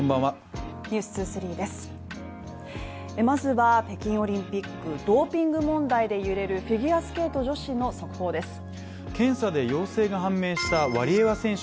まずは、北京オリンピック、ドーピング問題で揺れるフィギュアスケート女子の速報です。